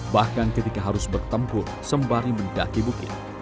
bahkan ketika harus bertempur sembari mendaki bukit